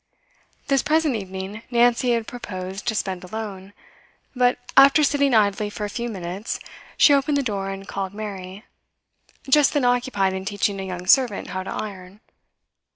This present evening Nancy had proposed to spend alone; but, after sitting idly for a few minutes, she opened the door and called Mary just then occupied in teaching a young servant how to iron.